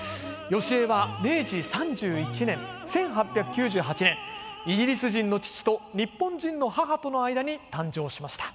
義江は明治３１年１８９８年イギリス人の父と日本人の母との間に誕生しました。